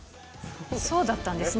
そうだったんですね。